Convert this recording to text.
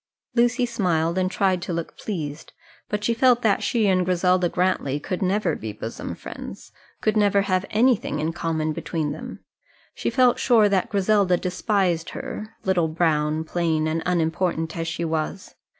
Lucy smiled, and tried to look pleased, but she felt that she and Griselda Grantly could never be bosom friends could never have anything in common between them. She felt sure that Griselda despised her, little, brown, plain, and unimportant as she was.